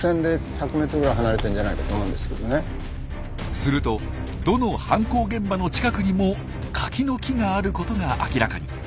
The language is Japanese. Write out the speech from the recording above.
するとどの犯行現場の近くにもカキの木があることが明らかに。